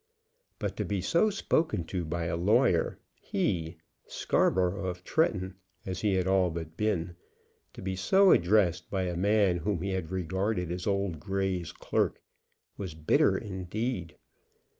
But to be so spoken to by a lawyer, he, Scarborough of Tretton, as he had all but been, to be so addressed by a man whom he had regarded as old Grey's clerk, was bitter indeed.